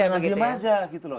jangan diam aja gitu loh